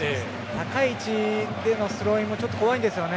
高い位置でのスローインも怖いんですよね。